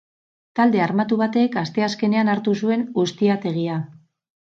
Talde armatu batek asteazkenean hartu zuen ustiategia.